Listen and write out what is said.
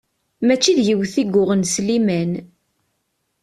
Mačči d yiwet i yuɣen Sliman.